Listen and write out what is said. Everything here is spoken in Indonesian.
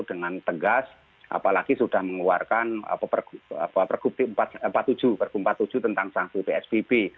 dengan tegas apalagi sudah mengeluarkan pergub empat puluh tujuh tentang sanksi psbb